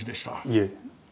いえ。